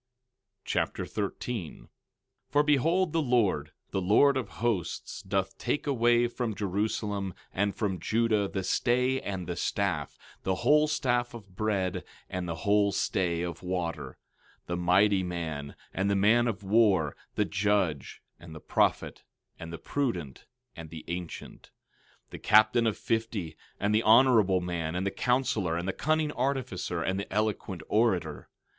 2 Nephi Chapter 13 13:1 For behold, the Lord, the Lord of Hosts, doth take away from Jerusalem, and from Judah, the stay and the staff, the whole staff of bread, and the whole stay of water— 13:2 The mighty man, and the man of war, the judge, and the prophet, and the prudent, and the ancient; 13:3 The captain of fifty, and the honorable man, and the counselor, and the cunning artificer, and the eloquent orator.